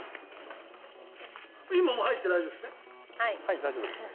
今もう入って大丈夫ですね？